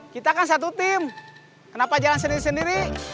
kita kan satu tim kenapa jalan sendiri sendiri